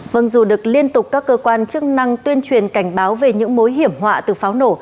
vâng dù được liên tục các cơ quan chức năng tuyên truyền cảnh báo về những mối hiểm họa từ pháo nổ